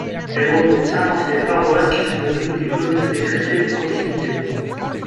Elle regroupe cinq anciennes paroisses qui sont devenues des communautés chrétiennes de proximité.